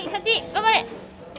頑張れ！